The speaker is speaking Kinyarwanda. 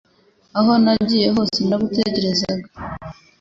Aho nagiye hose naragutekerezaga